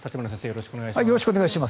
よろしくお願いします。